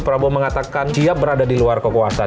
prabowo mengatakan siap berada di luar kekuasaan